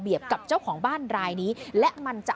สุดทนแล้วกับเพื่อนบ้านรายนี้ที่อยู่ข้างกัน